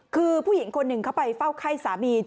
คือผู้หญิงคนหนึ่งเข้าไปเฝ้าไข้สามี